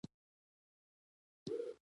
ترموز د مامور د مېز ښکلا ده.